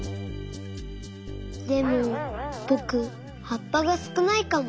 でもぼくはっぱがすくないかも。